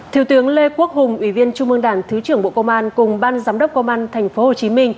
thiếu tướng lê quốc hùng ủy viên trung mương đảng thứ trưởng bộ công an cùng ban giám đốc công an tp hcm